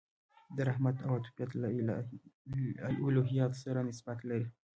د رحمت او عطوفت له الهیاتو سره نسبت لري.